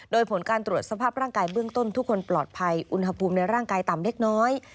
โดยผลการตรวจสภาพร่างกายเบื้องต้นทุกคนปลอดภัยอุณหภูมิในร่างกายต่ำเล็กน้อย